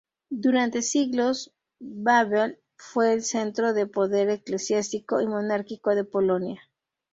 Durante siglos, Wawel fue el centro del poder eclesiástico y monárquico de Polonia.